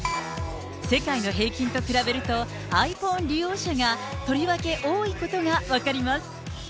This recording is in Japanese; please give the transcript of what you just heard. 世界の平均と比べると、ｉＰｈｏｎｅ利用者がとりわけ多いことが分かります。